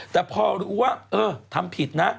แต่พอรู้ว่าเออทำผิดนะ